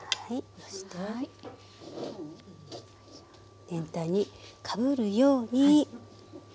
そして全体にかぶるようにはい。